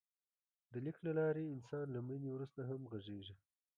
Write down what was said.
د لیک له لارې انسان له مړینې وروسته هم غږېږي.